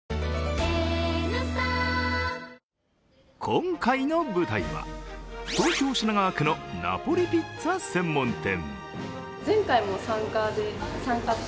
今回の舞台は東京・品川区のナポリピッツァ専門店。